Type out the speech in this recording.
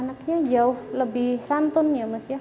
anaknya jauh lebih santun ya mas ya